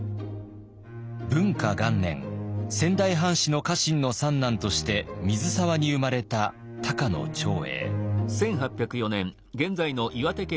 仙台藩士の家臣の三男として水沢に生まれた高野長英。